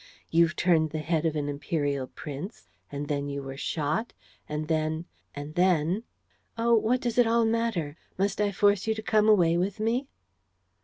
You've turned the head of an imperial prince ... and then you were shot ... and then ... and then ... Oh, what does it all matter? Must I force you to come away with me?"